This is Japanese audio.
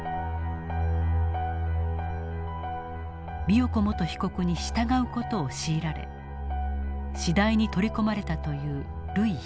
美代子元被告に従う事を強いられ次第に取り込まれたという瑠衣被告。